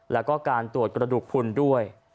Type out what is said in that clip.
และกับการตรวจกระดูกภูลด้วย